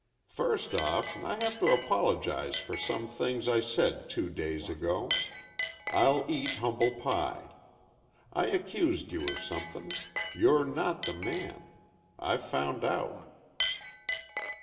"First off, I have to apologize for some things I said two days ago. I'll eat humble pie. I accused you of somethin'. You're not the man, I've found out."